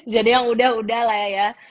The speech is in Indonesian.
jadi yang sudah sudah lah ya